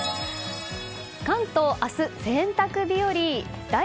関東明日、洗濯日和。